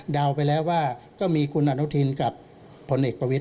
ไปแล้วว่าก็มีคุณอนุทินกับผลเอกประวิทย